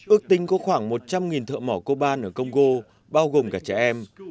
ước tính có khoảng một trăm linh thợ mỏ coban ở công gô bao gồm cả trẻ em